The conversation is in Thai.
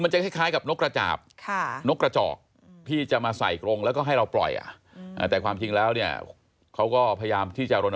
ใช่โน้กกระติดนั่งตาเป็นแบบนี้ฮะ